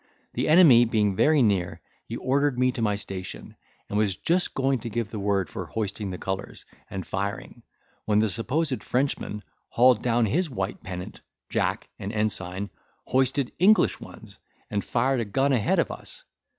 The enemy being very near, he ordered me to my station, and was just going to give the word for hoisting the colours, and firing, when the supposed Frenchman hauled down his white pennant, jack, and ensign, hoisted English ones, and fired a gun a head of us.